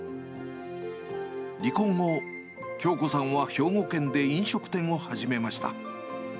離婚後、京子さんは兵庫県で飲食店を始めました。